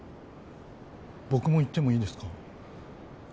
僕も行ってもいいですか？